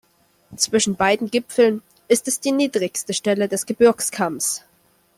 Zwischen beiden Gipfeln ist es die niedrigste Stelle des Gebirgskamms.